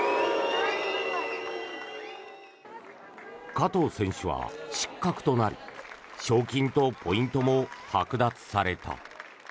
加藤選手は失格となり賞金とポイントもはく奪された。